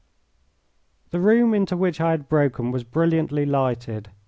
The room into which I had broken was brilliantly lighted.